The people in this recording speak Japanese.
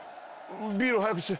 ビール早くして。